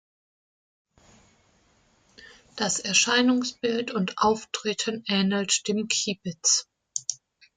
Das Erscheinungsbild und Auftreten ähnelt dem Kiebitz.